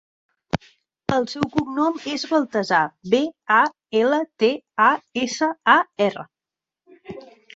El seu cognom és Baltasar: be, a, ela, te, a, essa, a, erra.